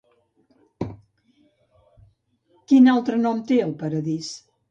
Quin altre nom té el paradís?